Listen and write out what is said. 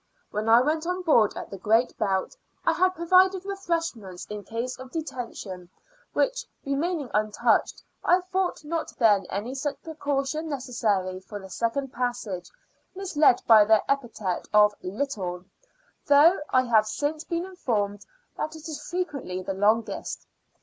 When I went on board at the Great Belt, I had provided refreshments in case of detention, which remaining untouched I thought not then any such precaution necessary for the second passage, misled by the epithet of "little," though I have since been informed that it is frequently the longest.